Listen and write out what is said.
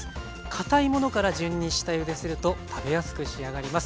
堅いものから順に下ゆですると食べやすく仕上がります。